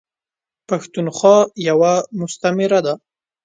پښتونخوا یوه مستعمیره ده .